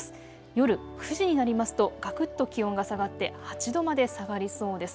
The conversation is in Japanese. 夜９時になりますとがくっと気温が下がって８度まで下がりそうです。